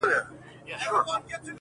په نړۍ کي داسي ستونزي پیدا کېږي،